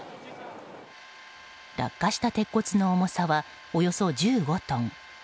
落下した鉄骨の重さはおよそ１５トン。